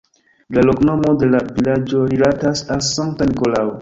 La loknomo de la vilaĝo rilatas al sankta Nikolao.